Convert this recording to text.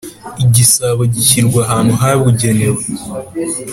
igisabo gishyirwa ahantu habugenewe